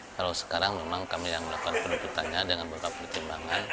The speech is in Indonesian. kalau sekarang memang kami yang melakukan penuntutannya dengan beberapa pertimbangan